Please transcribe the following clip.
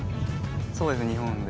そうです日本で。